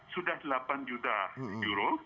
sudah delapan juta euro